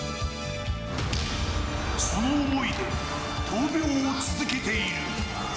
その思いで闘病を続けている。